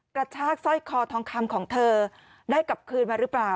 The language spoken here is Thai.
กระชากสร้อยคอทองคำของเธอได้กลับคืนมาหรือเปล่า